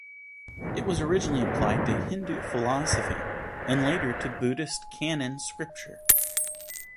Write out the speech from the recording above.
It was originally applied to Hindu philosophy, and later to Buddhist canon scripture.